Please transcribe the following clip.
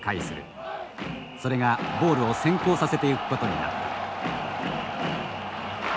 それがボールを先行させていくことになった。